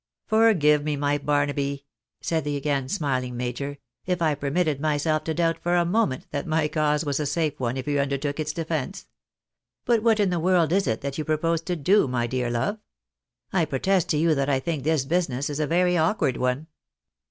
" Forgive me, my Barnaby," said the again smiling major, " if I permitted myself to doubt for a moment that my cause was a safe one, if you undertook its defence. But what in the world is it that you propose to do, my dear love ? I protest to you that I think this business is a very awkward one."